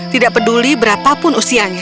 tidak peduli berapapun usianya